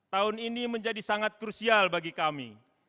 tahun ini menjadi sangat krusial bagi kami